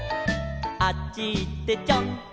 「あっちいってちょんちょん」